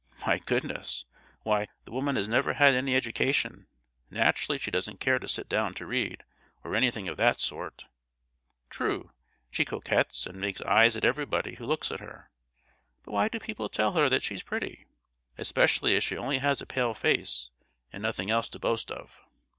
My goodness! why, the woman has never had any education; naturally she doesn't care to sit down to read, or anything of that sort. True, she coquets and makes eyes at everybody who looks at her. But why do people tell her that she's pretty? especially as she only has a pale face, and nothing else to boast of.